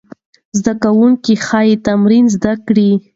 زده کوونکي ښايي تمرین زیات کړي.